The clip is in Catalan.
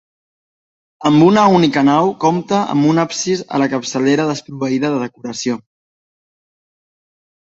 Amb una única nau, compta amb un absis a la capçalera desproveïda de decoració.